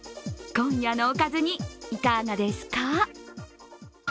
今夜のおかずに、いかがですか？